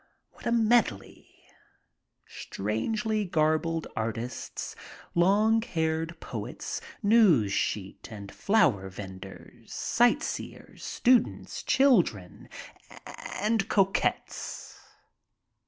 What a medley ! Strangely garbed artists, long haired poets, news sheet and flower vendors, sight seers, students, children, and co cottes.